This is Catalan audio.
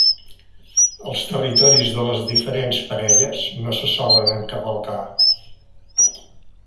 Els territoris de les diferents parelles no se solen encavalcar.